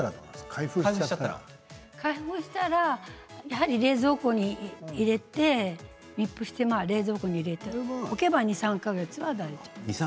開封したらやはり冷蔵庫に入れて密封して冷蔵庫に入れておけば２、３か月は大丈夫です。